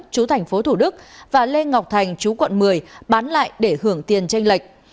chú thành phố thủ đức và lê ngọc thành chú quận một mươi bán lại để hưởng tiền tranh lệch